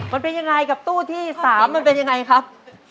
มันเป็นยังไงกับตู้ที่๓มันเป็นยังไงครับ